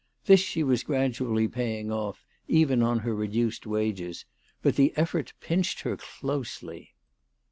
This she was gradually paying off, even on her reduced wages, but the effort pinched her closely.